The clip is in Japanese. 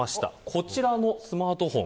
こちらのスマートフォン。